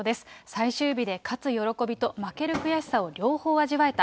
最終日で勝つ喜びと負ける悔しさを両方味わえた。